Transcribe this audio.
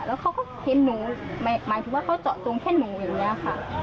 แล้วเขาก็เห็นหนูหมายถึงว่าเขาเจาะจงแค่หนูอย่างนี้ค่ะ